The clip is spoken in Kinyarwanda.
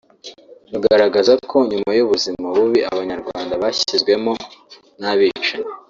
rugaragaza ko nyuma y’ubuzima bubi Abanyarwanda bashyizwemo n’abicanyi